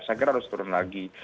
saya kira harus turun lagi